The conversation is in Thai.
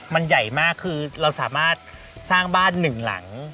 มันใหญ่มากคือเราสามารถสร้างบ้านหนึ่งหลัง